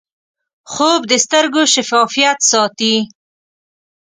خوب د سترګو شفافیت ساتي